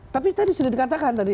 tapi tadi sudah dikatakan tadi